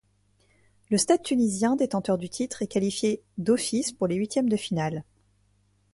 Le Stade tunisien, détenteur du titre, est qualifié d'office pour les huitièmes de finale.